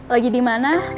lagi di mana